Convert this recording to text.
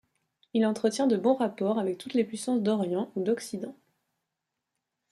Il entretient de bons rapports avec toutes les puissances d'Orient ou d'Occident.